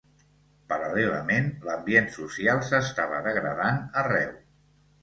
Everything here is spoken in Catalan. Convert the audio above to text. Paral·lelament, l'ambient social s'estava degradant arreu.